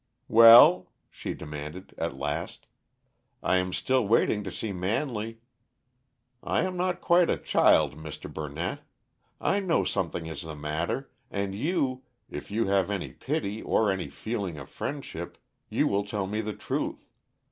"Well?" she demanded at last. "I am still waiting to see Manley. I am not quite a child, Mr. Burnett. I know something is the matter, and you if you have any pity, or any feeling of friendship, you will tell me the truth.